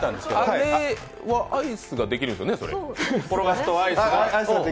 アイスができるんですよね？